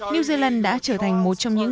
new zealand đã trở thành một trong những